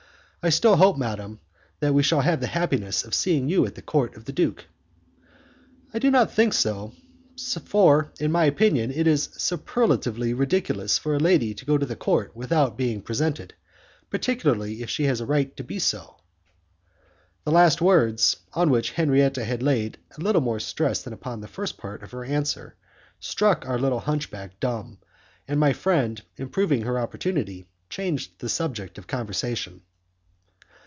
I still hope, madam, that we shall have the happiness of seeing you at the court of the duke." "I do not think so, for, in my opinion, it is superlatively ridiculous for a lady to go to the court without being presented, particularly if she has a right to be so." The last words, on which Henriette had laid a little more stress than upon the first part of her answer, struck our little hunchback dumb, and my friend, improving her opportunity, changed the subject of conversation.